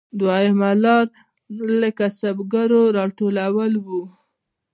دویمه لار د کسبګرو راټولول وو